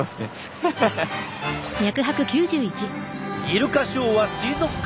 イルカショーは水族館の目玉。